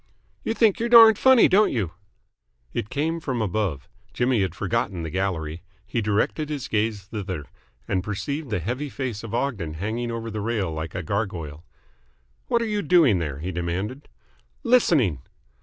"You think you're darned funny, don't you?" It came from above. Jimmy had forgotten the gallery. He directed his gaze thither, and perceived the heavy face of Ogden hanging over the rail like a gargoyle. "What are you doing there?" he demanded. "Listening."